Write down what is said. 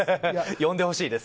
呼んでほしいです。